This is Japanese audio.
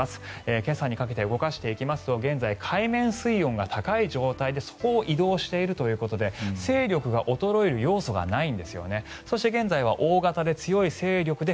今朝にかけて動かしていきますと現在、海面水温が高い状態でそこを移動しているということで勢力が衰える要素がないんですよね。